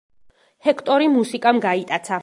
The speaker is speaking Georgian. ჰექტორი მუსიკამ გაიტაცა.